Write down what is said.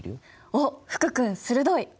おっ福君鋭い！